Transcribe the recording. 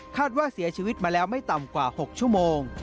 ว่าเสียชีวิตมาแล้วไม่ต่ำกว่า๖ชั่วโมง